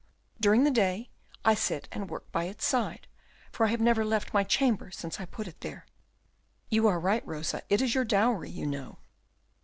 During the day I sit and work by its side, for I have never left my chamber since I put it there." "You are right Rosa, it is your dowry, you know."